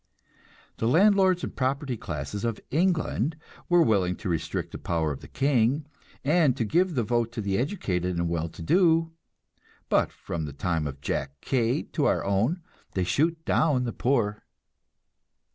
The landlords and propertied classes of England were willing to restrict the power of the king, and to give the vote to the educated and well to do; but from the time of Jack Cade to our own they shoot down the poor.